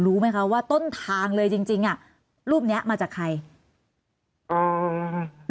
รู้ไหมคะว่าต้นทางเลยจริงจริงอ่ะรูปเนี้ยมาจากใครอ๋อ